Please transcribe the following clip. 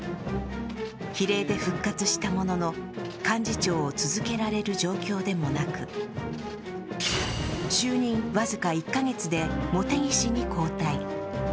比例で復活したものの幹事長を続けられる状況でもなく就任僅か１カ月で茂木氏に交代。